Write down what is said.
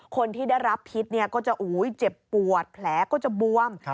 คนที่ได้รับพิษก็จะเจ็บปวดแผลก็จะบวม